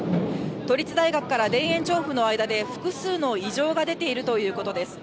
都立大学から田園調布の間で、複数の異常が出ているということです。